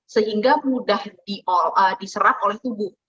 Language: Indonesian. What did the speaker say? sehingga mudah diserap oleh tubuh